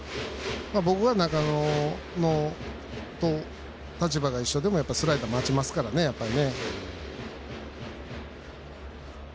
僕は中野と立場が一緒でもスライダー待ちますからねやっぱり。